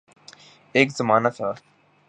ایک زمانہ تھا۔